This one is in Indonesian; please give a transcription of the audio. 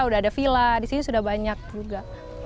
udah ada villa di sini sudah banyak juga